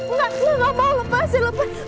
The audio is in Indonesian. enggak saya gak mau lepasin lepasin